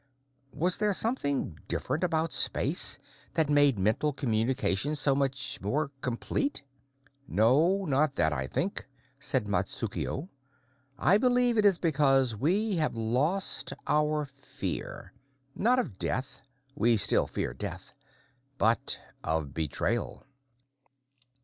Was there something different about space that made mental communication so much more complete? "No, not that, I think," said Matsukuo. "I believe it is because we have lost our fear not of death; we still fear death but of betrayal."